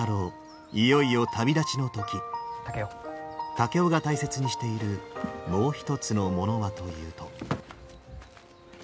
竹雄が大切にしているもう一つのものはというと。